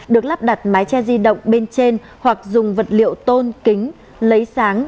được lắp đặt mái che di động bên trên hoặc dùng vật liệu tôn kính lấy sáng